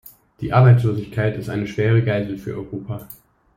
Die Arbeitslosigkeit ist eine schwere Geißel für Europa.